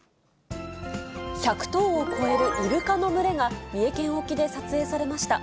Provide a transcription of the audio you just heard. １００頭を超えるイルカの群れが三重県沖で撮影されました。